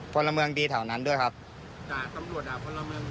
พลเมืองดีแถวนั้นด้วยครับด่าตำรวจด่าพลเมืองดี